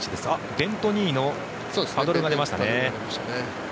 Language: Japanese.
ベント・ニーのパドルが出ましたね。